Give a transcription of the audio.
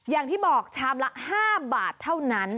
อย่างที่บอกชามละ๕บาทเท่านั้น